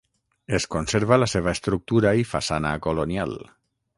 Es conserva la seva estructura i façana colonial.